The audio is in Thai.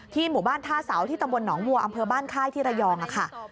หมู่บ้านท่าเสาที่ตำบลหนองวัวอำเภอบ้านค่ายที่ระยองค่ะ